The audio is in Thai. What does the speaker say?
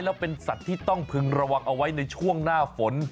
แล้วเป็นสัตว์ที่ต้องพึงระวังเอาไว้ในช่วงหน้าฝน